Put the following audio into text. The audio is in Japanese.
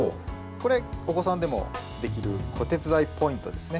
これ、お子さんでもできる子手伝いポイントですね。